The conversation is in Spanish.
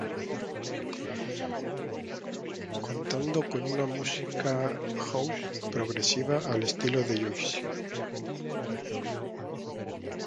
Contando con una música house progresiva al estilo de Juicy.